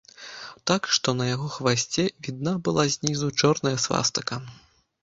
Так што на яго хвасце відна была знізу чорная свастыка.